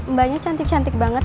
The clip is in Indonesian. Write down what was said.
mbaknya cantik cantik banget